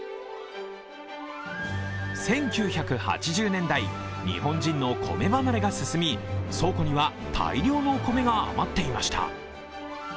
１９８０年代、日本人の米離れが進み倉庫には大量のお米が余っていました。